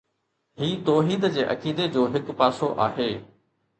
هي توحيد جي عقيدي جو هڪ پاسو آهي